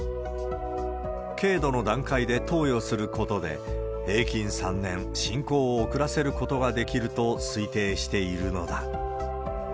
軽度の段階で投与することで、平均３年、進行を遅らせることができると推定しているのだ。